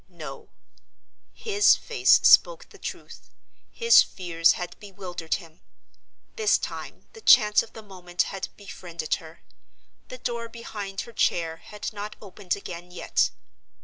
No: his face spoke the truth—his fears had bewildered him. This time the chance of the moment had befriended her. The door behind her chair had not opened again yet.